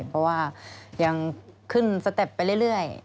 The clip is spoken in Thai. เพราะว่ายังขึ้นผ่านไว้เรื่อย